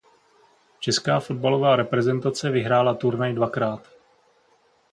Česká fotbalová reprezentace vyhrála turnaj dvakrát.